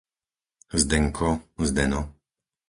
Zdenko, Zdeno